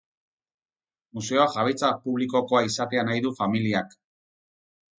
Museoa jabetza publikokoa izatea nahi du familiak.